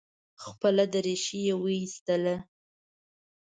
خپله درېشي یې وایستله.